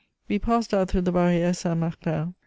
We passed out through the Barrière Saint Martin.